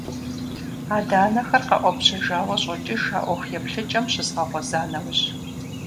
Адэ-анэхэр къэуӀэбжьауэ щӀокӀыж а Ӏуэху еплъыкӀэм щызгъэгъуэза нэужь.